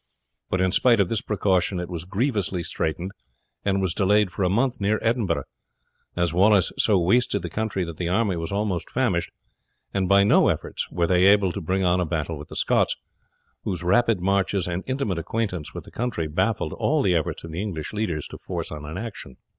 But in spite of this precaution it was grievously straitened, and was delayed for a month near Edinburgh, as Wallace so wasted the country that the army were almost famished, and by no efforts were they able to bring on a battle with the Scots, whose rapid marches and intimate acquaintance with the country baffled all the efforts of the English leaders to force on an action.